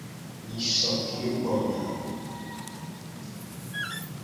Nyiso ke gbona.